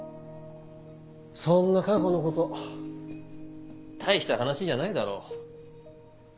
そんな過去のこと大した話じゃないだろ。